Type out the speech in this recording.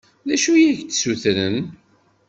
D acu i ak-d-ssutren?